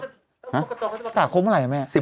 ประกาศข้องเท่าไหร่ไหม